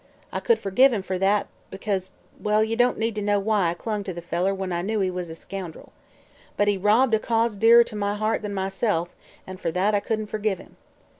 I could fergive him fer that, because well, ye don't need to know why I clung to the feller when I knew he was a scoundrel. But he robbed a cause dearer to my heart than myself, an' for that I couldn't fergive him.